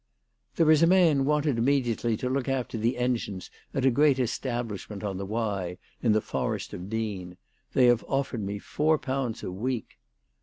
" There is a man wanted immediately to look after the engines at a great establishment on the Wye, in the Forest of Dean. They have offered me four pounds a week."